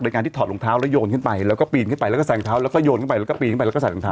โดยงานที่ถอดรองเท้าแล้วโยนขึ้นไปแล้วก็ปีนขึ้นไปแล้วก็ใส่รองเท้า